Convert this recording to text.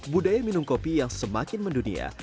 budaya minum kopi yang semakin mendunia